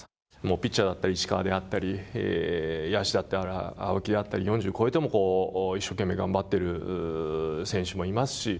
ピッチャーだったら石川であったり、野手だったら青木だったり４０を超えても一生懸命頑張ってる選手もいますし。